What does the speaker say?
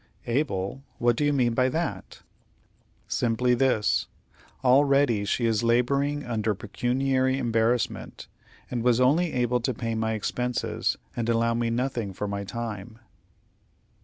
"Able! What do you mean by that?" "Simply this: Already she is laboring under pecuniary embarrassment, and was only able to pay my expenses, and allow me nothing for my time."